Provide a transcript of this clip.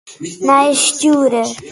Nije stjoerder.